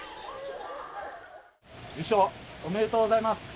受賞おめでとうございます。